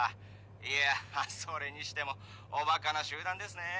いやあそれにしてもおバカな集団ですねえ